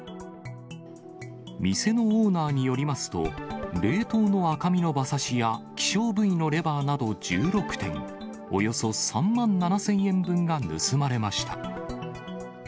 店のオーナーによりますと、冷凍の赤身の馬刺しや希少部位のレバーなど１６点、およそ３万７０００えんぶんが盗まれました。